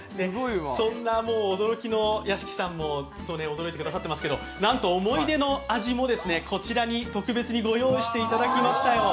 屋敷さんも驚いてくださってますけど、なんと、思い出の味もこちらに特別にご用意していただきましたよ。